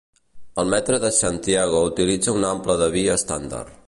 El metre de Santiago utilitza un ample de via estàndard.